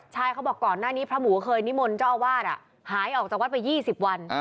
ใช่เขาบอกก่อนหน้านี้พระหมูเคยนิมนต์เจ้าอาวาสหายออกจากวัดไป๒๐วัน